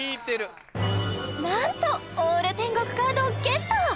なんとＡＬＬ天国カードをゲット